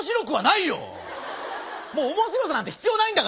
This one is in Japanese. もう面白さなんて必要ないんだから！